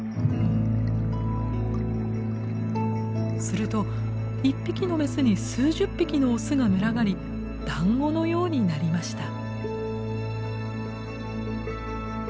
すると１匹のメスに数十匹のオスが群がりだんごのようになりました。